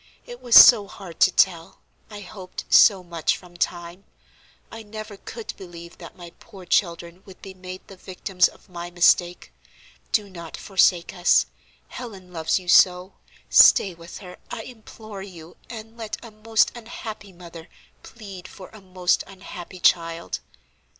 It was so hard to tell; I hoped so much from time; I never could believe that my poor children would be made the victims of my mistake. Do not forsake us: Helen loves you so. Stay with her, I implore you, and let a most unhappy mother plead for a most unhappy child."